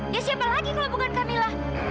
ya siapa lagi kalau bukan kamila